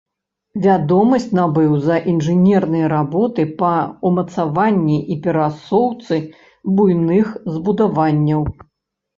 Вядомасць набыў за інжынерныя работы па ўмацаванні і перасоўцы буйных збудаванняў.